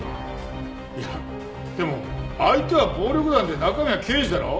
いやでも相手は暴力団で中身は刑事だろ。